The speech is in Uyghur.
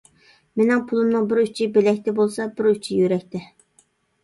مېنىڭ پۇلۇمنىڭ بىر ئۇچى بىلەكتە بولسا بىر ئۇچى يۈرەكتە.